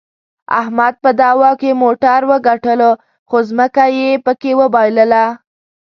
احمد په دعوا کې موټر وګټلو، خو ځمکه یې پکې د وباییلله.